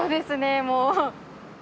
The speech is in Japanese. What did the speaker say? もう。